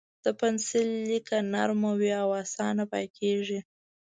د پنسل لیکه نرم وي او اسانه پاکېږي.